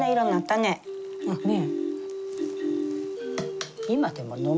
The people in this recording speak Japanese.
ねえ。